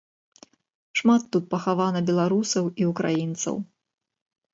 Шмат тут пахавана беларусаў і ўкраінцаў.